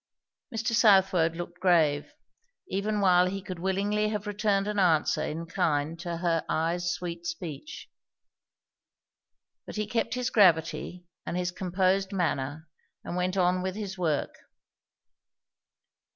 Mr. Southwode looked grave, even while he could willingly have returned an answer in kind to her eyes' sweet speech. But he kept his gravity and his composed manner, and went on with his work.